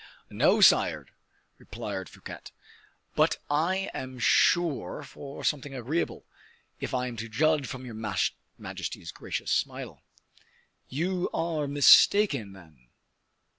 "No, sire," replied Fouquet, "but I am sure for something agreeable, if I am to judge from your majesty's gracious smile." "You are mistaken, then."